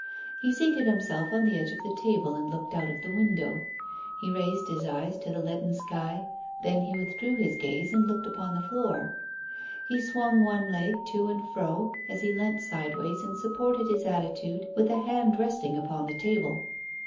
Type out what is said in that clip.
He seated himself on the edge of the table and looked out of the window. He raised his eyes to the leaden sky, then he withdrew his gaze and looked upon the floor. He swung one leg to and fro, as he leant sideways and supported his attitude with a hand resting upon the table.